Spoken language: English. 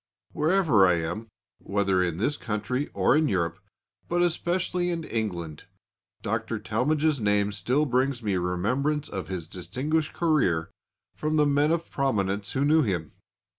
Wherever I am, whether in this country or in Europe, but especially in England, Dr. Talmage's name still brings me remembrance of his distinguished career from the men of prominence who knew him.